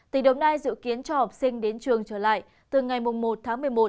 tỉnh đồng nai dự kiến cho học sinh đến trường trở lại từ ngày một tháng một mươi một